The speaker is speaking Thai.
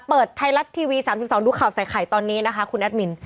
เปิดไทยรัฐทีวี๓๒ดูข่าวใส่ไข่ตอนนี้นะคะคุณแอดมิน